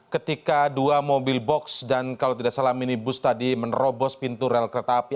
ketika dua mobil box dan kalau tidak salah minibus tadi menerobos pintu rel kereta api